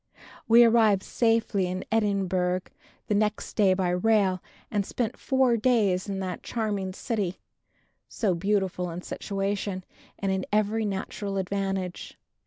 We arrived safely in Edinburgh the next day by rail and spent four days in that charming city, so beautiful in situation and in every natural advantage.